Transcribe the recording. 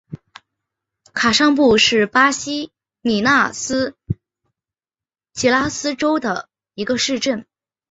卡尚布是巴西米纳斯吉拉斯州的一个市镇。